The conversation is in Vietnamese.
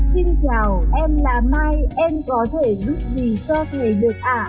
xin chào em là mai em có thể giúp gì cho thầy được à